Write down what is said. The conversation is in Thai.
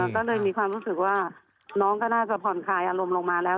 ก็เลยมีความรู้สึกว่าน้องก็น่าจะผ่อนคลายอารมณ์ลงมาแล้ว